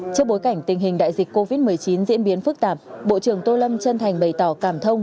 trước bối cảnh tình hình đại dịch covid một mươi chín diễn biến phức tạp bộ trưởng tô lâm chân thành bày tỏ cảm thông